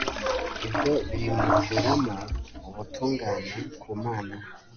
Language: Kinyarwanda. ibyo bimuviramo ubutungane ku mana